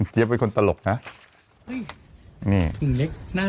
เจ๊ปเป็นคนตลกนะ